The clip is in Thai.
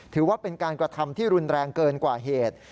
ถือว่าเป็นการกระทำที่รุนแรงเกินกว่าเหตุ